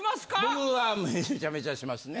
僕はめちゃめちゃしますね。